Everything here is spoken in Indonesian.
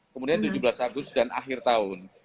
kemudian tujuh belas agustus dan akhir tahun